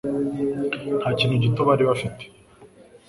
Nta kintu gito bari bafite